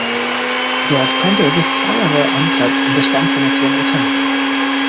Dort konnte er sich zwei Jahre einen Platz in der Stammformation erkämpfen.